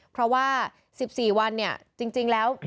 เพราะว่า๑๔วันเนี่ยจริงแล้ว